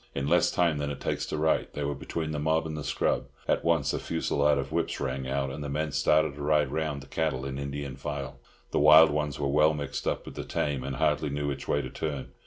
In less time than it takes to write, they were between the mob and the scrub; at once a fusillade of whips rang out, and the men started to ride round the cattle in Indian file. The wild ones were well mixed up with the tame, and hardly knew which way to turn.